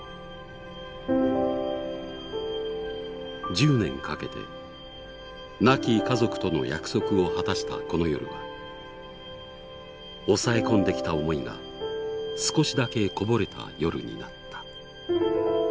１０年かけて亡き家族との約束を果たしたこの夜は抑え込んできた思いが少しだけこぼれた夜になった。